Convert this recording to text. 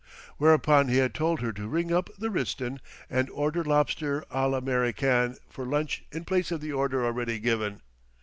Whereupon he had told her to ring up the Ritzton and order lobster à l'Americaine for lunch in place of the order already given.